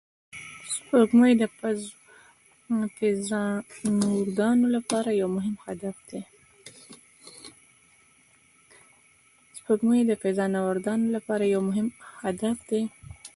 سپوږمۍ د فضانوردانو لپاره یو مهم هدف و